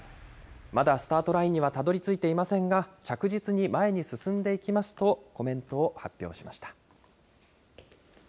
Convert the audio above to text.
まだスタートラインにはたどりついてはいませんが、着実に前に進んでいきますとコメントを発表しました。